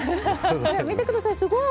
見てください！